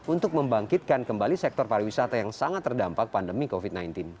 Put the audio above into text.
untuk membangkitkan kembali sektor pariwisata yang sangat terdampak pandemi covid sembilan belas